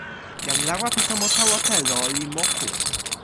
jan lawa pi tomo tawa telo li moku.